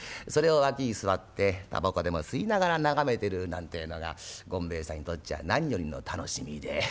それを脇に座ってタバコでも吸いながら眺めてるなんてえのが権兵衛さんにとっちゃ何よりの楽しみで。